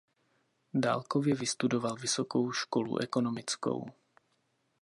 Dálkově vystudoval Vysokou školu ekonomickou.